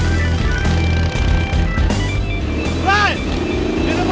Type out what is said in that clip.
kenapa punya pertama